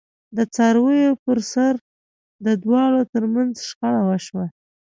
د څارویو پرسر د دواړو ترمنځ شخړه وشوه.